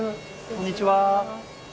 こんにちは。